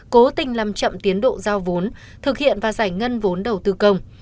cố tình làm chậm tiến độ giao vốn thực hiện và giải ngân vốn đầu tư công